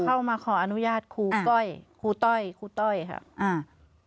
เข้ามาขออนุญาตครูก้อยครูต้อยครับ